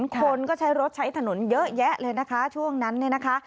คนก็ใช้รถใช้ถนนเยอะแยะเลยนะคะช่วงนั้น